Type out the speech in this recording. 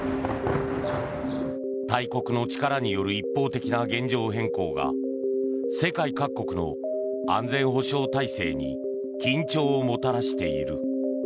大国の力による一方的な現状変更が世界各国の安全保障体制に緊張をもたらしている。